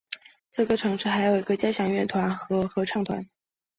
这个城市还有一个交响乐团和合唱团。